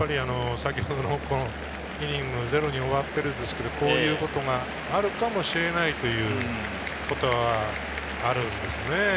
先ほどのイニング、ゼロに終わっているんですけど、こういうことがあるかもしれないということがあるんですね。